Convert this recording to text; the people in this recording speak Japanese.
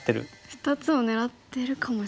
２つを狙ってるかもしれない。